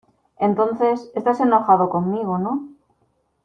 entonces, ¿ estás enojado conmigo? no.